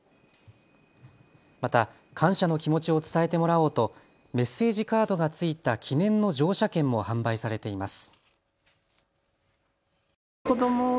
また感謝の気持ちを伝えてもらおうとメッセージカードが付いた記念の乗車券も販売されています。